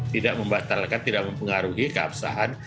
tidak membatalkan tidak mempengaruhi keabsahan